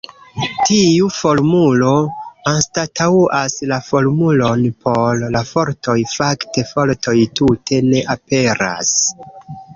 Tiu formulo anstataŭas la formulon por la fortoj; fakte fortoj tute ne aperas.